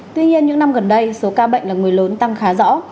tuy nhiên những năm gần đây số ca bệnh là người lớn tăng khá rõ